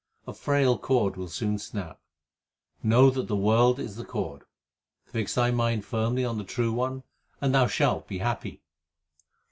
A frail cord will soon snap : Know that the world is as the cord. Fix thy mind firmly on the True One and thou shalt be happy.